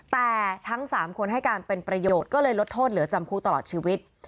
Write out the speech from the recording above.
แต่ทั้ง๓คนให้การเป็นประโยชน์ก็เลยลดโทษเหลือจำคุกตลอดชีวิต